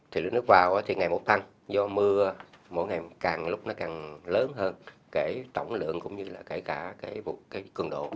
thì lượng nước vào thì ngày một tăng do mưa mỗi ngày càng lúc nó càng lớn hơn kể tổng lượng cũng như là kể cả cái cường độ